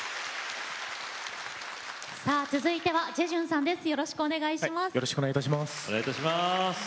続いてはジェジュンさんです。